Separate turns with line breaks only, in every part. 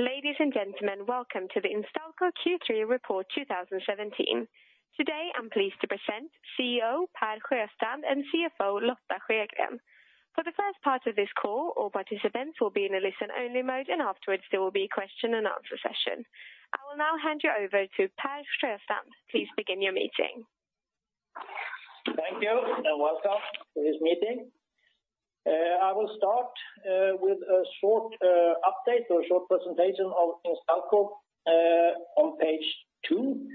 Ladies and gentlemen, welcome to the Instalco Q3 Report 2017. Today, I'm pleased to present CEO Per Sjöstrand, and CFO Lotta Sjögren. For the first part of this call, all participants will be in a listen-only mode. Afterwards, there will be a question and answer session. I will now hand you over to Per Sjöstrand. Please begin your meeting.
Thank you, and welcome to this meeting. I will start with a short update or a short presentation of Instalco on page 2.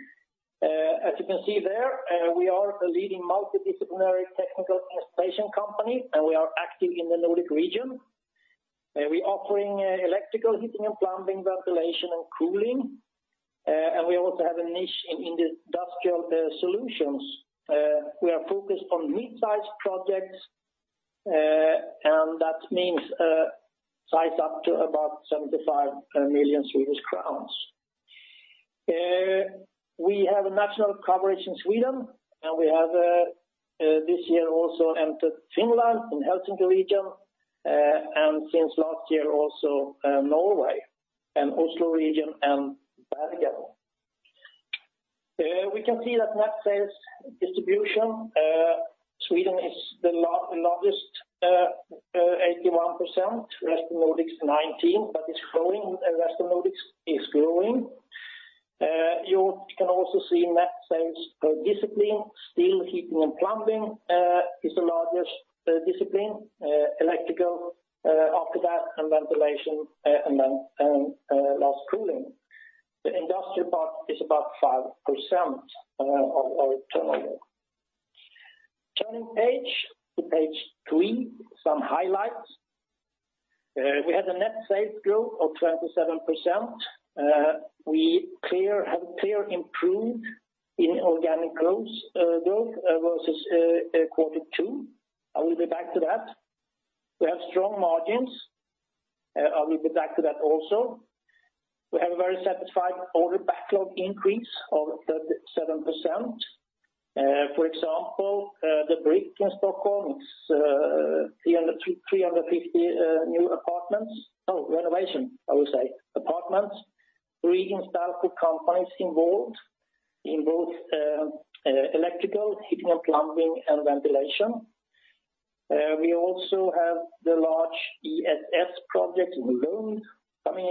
As you can see there, we are the leading multidisciplinary technical installation company, and we are active in the Nordic region. We're offering electrical, heating and plumbing, ventilation, and cooling, and we also have a niche in industrial solutions. We are focused on mid-sized projects, and that means size up to about 75 million Swedish crowns. We have a national coverage in Sweden, and we have this year also entered Finland in Helsinki region, and since last year, also Norway, and Oslo region and Bergen. We can see that net sales distribution, Sweden is the largest, 81%, Rest of Nordics, 19%, but it's growing, the Rest of Nordics is growing. You can also see net sales per discipline. Still, heating, and plumbing is the largest discipline, electrical after that, and ventilation, and then last, cooling. The industrial part is about 5% of our turnover. Turning page to page 3, some highlights. We had a net sales growth of 27%. We have clear improved in organic growth versus quarter 2. I will be back to that. We have strong margins, I will be back to that also. We have a very satisfied order backlog increase of 37%. For example, The Brick in Stockholm is 300-350 new apartments. Renovation, I would say, apartments. Three Instalco companies involved in both electrical, heating and plumbing, and ventilation. We also have the large European Spallation Source project in Lund coming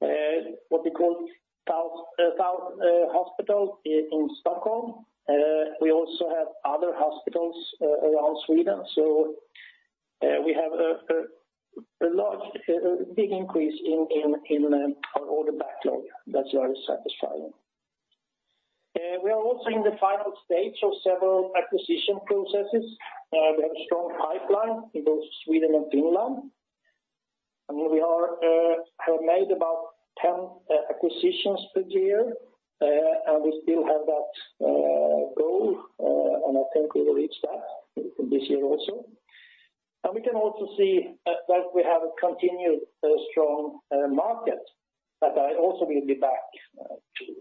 in, what we call Södersjukhuset in Stockholm. We also have other hospitals around Sweden, so we have a large, big increase in our order backlog. That's very satisfying. We are also in the final stage of several acquisition processes. We have a strong pipeline in both Sweden and Finland, and we have made about 10 acquisitions this year, and we still have that goal, and I think we will reach that this year also. We can also see that we have a continued strong market. I also will be back to.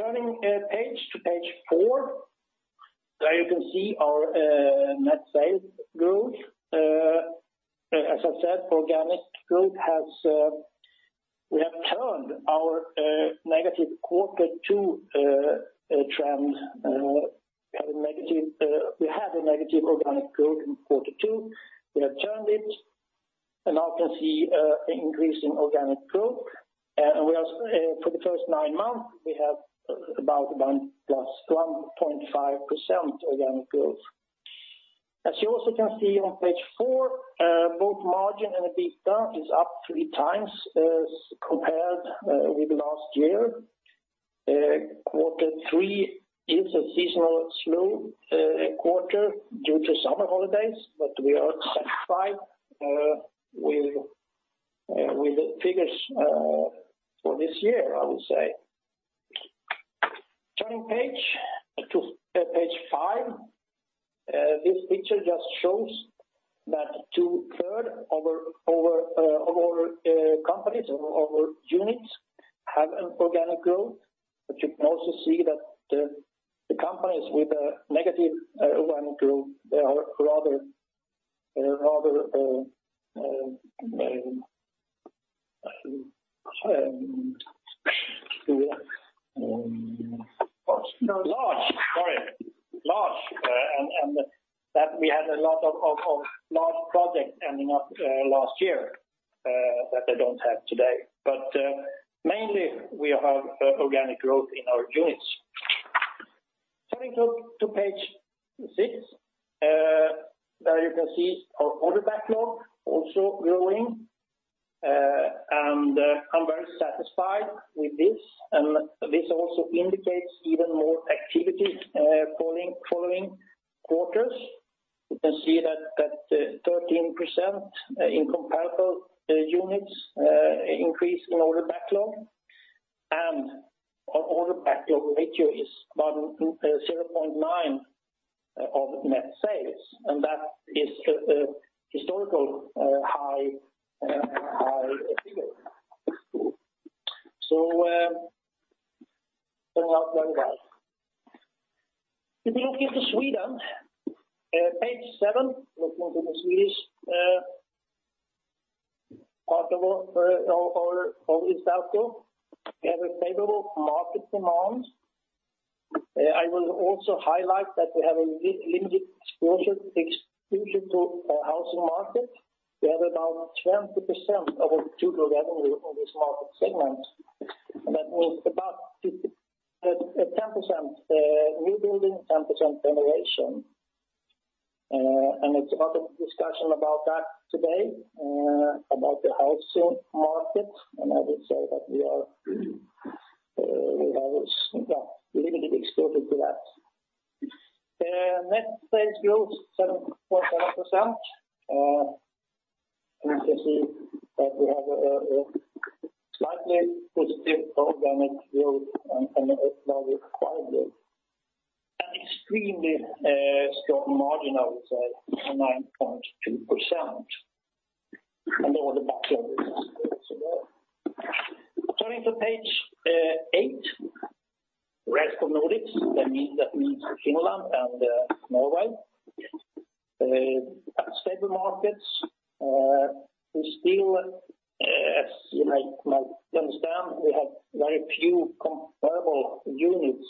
Turning a page to page four, there you can see our net sales growth. As I said, organic growth has, we have turned our negative quarter two trend. We had a negative organic growth in quarter two. We have turned it, now can see an increase in organic growth. We also for the first nine months, we have about +1.5% organic growth. As you also can see on page four, both margin and EBITDA is up three times as compared with last year. Quarter three is a seasonal slow quarter due to summer holidays, we are satisfied with the figures for this year, I would say. Turning page to page five, this picture just shows that two-third of our companies, of our units have an organic growth. You can also see that the companies with a negative organic growth, they are rather large, sorry, large. That we had a lot of large projects ending up last year that they don't have today. Mainly, we have organic growth in our units. Turning to page six, there you can see our order backlog also growing, I'm very satisfied with this. This also indicates even more activity following quarters. You can see that 13% in comparable units increase in order backlog, our order backlog ratio is about 0.9 of net sales, that is a historical high ratio. Turn out well. If you look into Sweden, page seven, look into the Swedish possible, is that so? We have a favorable market demand. I will also highlight that we have a limited exposure to housing market. We have about 20% of our total revenue in this market segment, that means about 10% new building, 10% generation. It's a lot of discussion about that today, about the housing market, and I would say that we are, we have, yeah, limited exposure to that. Net sales growth, 7.1%, and you can see that we have a slightly positive organic growth and acquired growth. An extremely strong margin, I would say, 9.2%. All the backlogs as well. Turning to page 8, Rest of Nordics, that means Finland and Norway. Stable markets, we still, as you might understand, we have very few comparable units,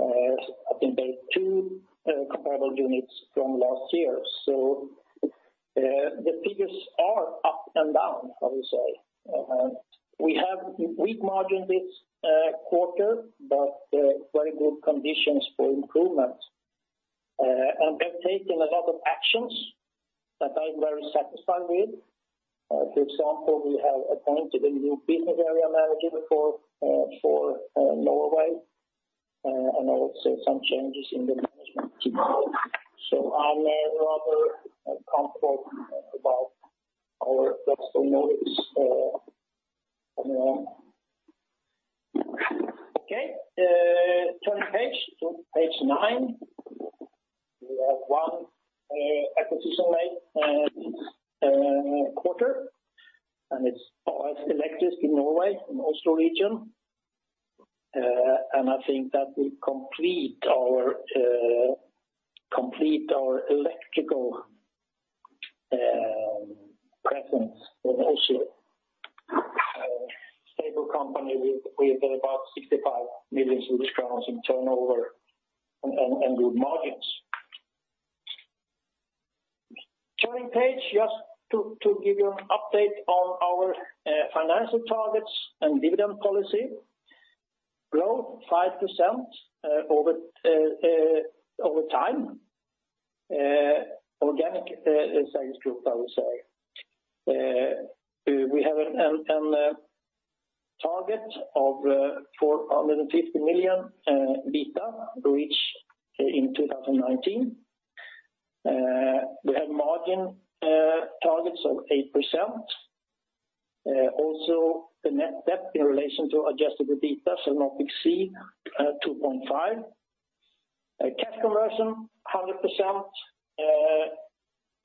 I think there are 2 comparable units from last year. The figures are up and down, I would say. We have weak margin this quarter, but very good conditions for improvement. We've taken a lot of actions that I'm very satisfied with. For example, we have appointed a new business area manager for Norway, and also some changes in the management team. I'm rather comfortable about our Rest of Nordics coming on. Okay, turn the page to page nine. We have one acquisition made quarter, and it's AS Elektrisk in Norway, in Oslo region. I think that will complete our complete our electrical presence in Oslo. Stable company with about 65 million Swedish crowns in turnover and good margins. Turning page, just to give you an update on our financial targets and dividend policy. Growth 5% over time, organic sales growth, I would say. We have a target of 450 million EBITDA, to reach in 2019. We have margin targets of 8%. Also the net debt in relation to adjusted EBITDA, not exceed 2.5. Cash conversion, 100%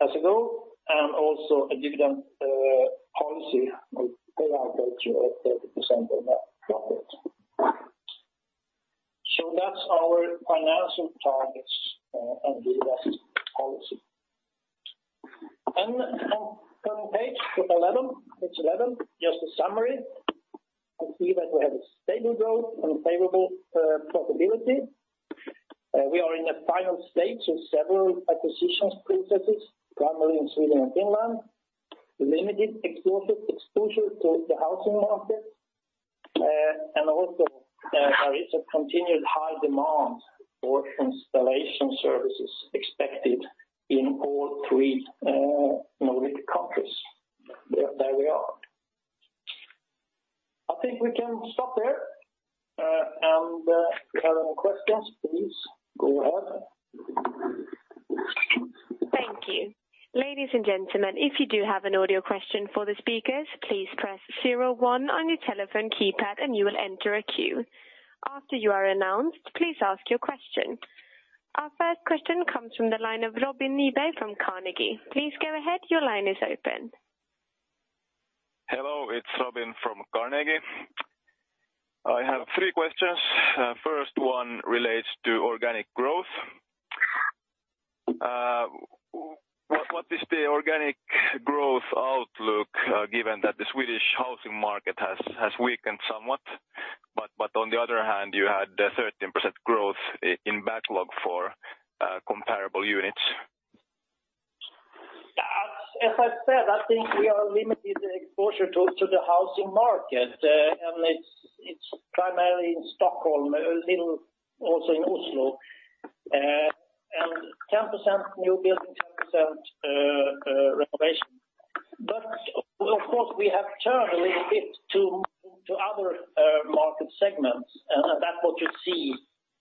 as a goal, and also a dividend policy of payout ratio of 30% on that profit. That's our financial targets and dividend policy. On current page 11, just a summary. I see that we have a stable growth and favorable profitability. We are in the final stage of several acquisitions processes, primarily in Sweden and Finland, limited exposure to the housing market, and also there is a continued high demand for installation services expected in all 3 Nordic countries. There we are. I think we can stop there, and if you have any questions, please go ahead.
Thank you. Ladies and gentlemen, if you do have an audio question for the speakers, please press 01 on your telephone keypad and you will enter a queue. After you are announced, please ask your question. Our first question comes from the line of Robin Nyberg from Carnegie. Please go ahead, your line is open.
Hello, it's Robin from Carnegie. I have three questions. First one relates to organic growth. What is the organic growth outlook given that the Swedish housing market has weakened somewhat, but on the other hand, you had a 13% growth in backlog for comparable units?
As I said, I think we are limited exposure to the housing market, and it's primarily in Stockholm, a little also in Oslo. And 10% new building, 10% renovation. Of course, we have turned a little bit to other market segments, and that's what you see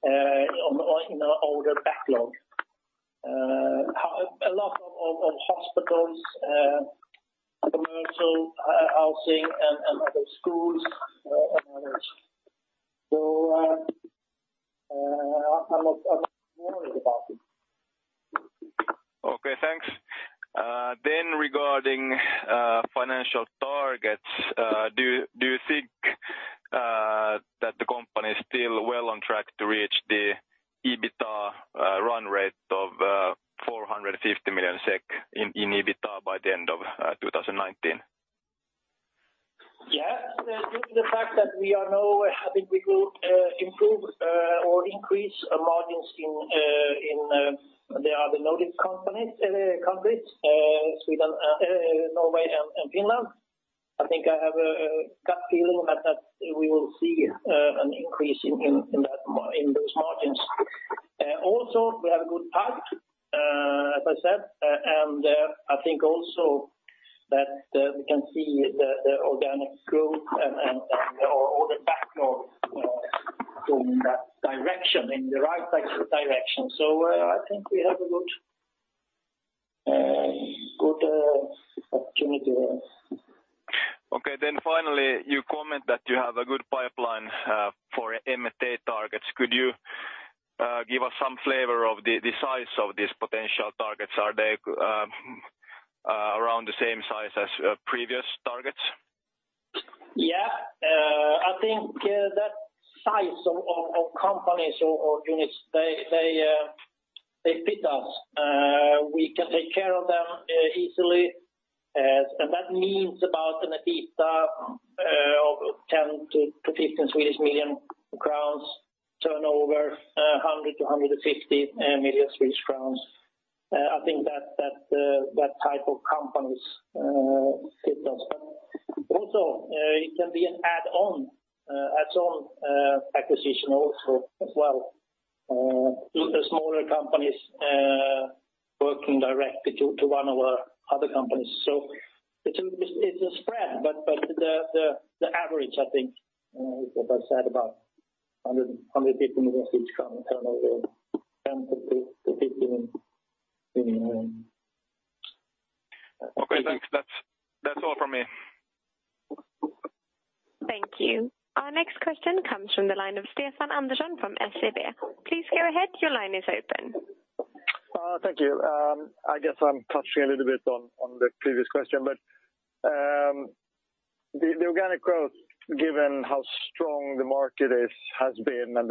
on in our order backlog. A lot of hospitals, commercial housing and other schools, and other. I'm of...
regarding financial targets, do you think that the company is still well on track to reach the EBITDA run rate of 450 million SEK in EBITDA by the end of 2019?
Yeah, due to the fact that we are now having, we could improve or increase margins in the other Nordic companies, countries, Sweden, Norway, and Finland. I think I have a gut feeling that we will see an increase in those margins. Also, we have a good pipe, as I said, and I think also that we can see the organic growth and all the backlog going that direction, in the right direction. I think we have a good opportunity.
Okay, finally, you comment that you have a good pipeline for M&A targets. Could you give us some flavor of the size of these potential targets? Are they around the same size as previous targets?
Yeah. I think that size of companies or units, they fit us. We can take care of them easily. And that means about an EBITDA of 10 million-15 million crowns, turnover 100 million-150 million Swedish crowns. I think that type of companies fit us. Also, it can be an add-on acquisition also as well. The smaller companies working directly to one of our other companies. It's a spread, but the average, I think, as I said, about 100 million-150 million turnover, 10 million-15 million.
Okay, thanks. That's all from me.
Thank you. Our next question comes from the line of Stefan Andersson from SEB. Please go ahead, your line is open.
Thank you. I guess I'm touching a little bit on the previous question, but the organic growth, given how strong the market is, has been, and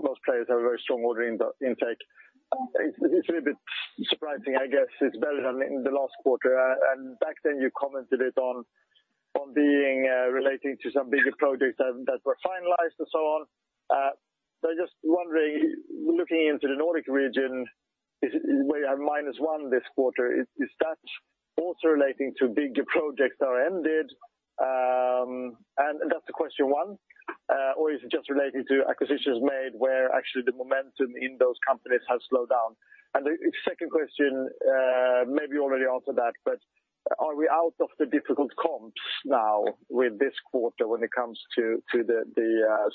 most players have a very strong order intake. It's a little bit surprising, I guess. It's better than in the last quarter. Back then, you commented it on being relating to some bigger projects that were finalized and so on. I'm just wondering, looking into the Nordic region, is it, we are minus one this quarter, is that also relating to bigger projects that are ended? That's the question one, or is it just relating to acquisitions made where actually the momentum in those companies has slowed down? The second question, maybe you already answered that, but are we out of the difficult comps now with this quarter when it comes to the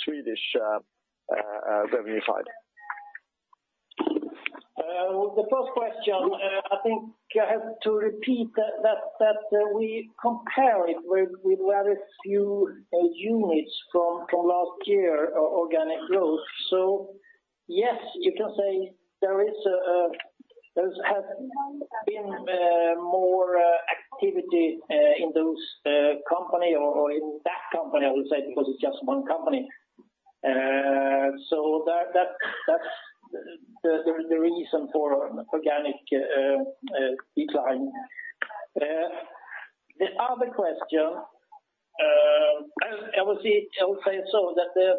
Swedish revenue side?
The first question, I think I have to repeat that we compare it with very few units from last year, organic growth. Yes, you can say there is there's have been more activity in those company or in that company, I would say, because it's just one company. That's the reason for organic decline. The other question, I would say so that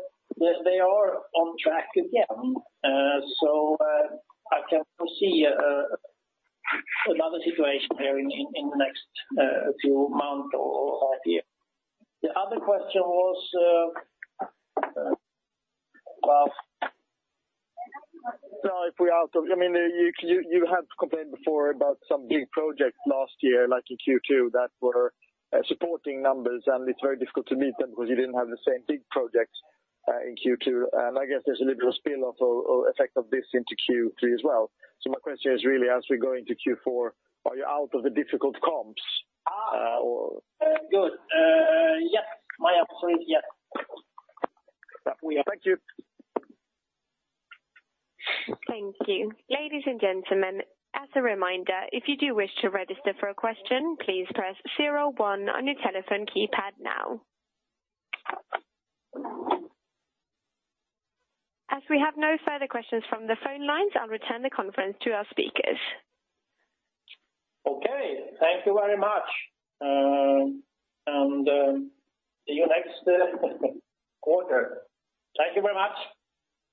they are on track again. I can foresee another situation there in the next few months or year. The other question was...
I mean, you had complained before about some big projects last year, like in Q2, that were supporting numbers, and it's very difficult to meet them because you didn't have the same big projects in Q2. I guess there's a little spill off or effect of this into Q3 as well. My question is really, as we go into Q4, are you out of the difficult comps?
Ah.
Uh, or-
Good. Yes, my answer is yes.
Thank you.
Thank you. Ladies and gentlemen, as a reminder, if you do wish to register for a question, please press 01 on your telephone keypad now. As we have no further questions from the phone lines, I'll return the conference to our speakers.
Okay, thank you very much. See you next quarter. Thank you very much!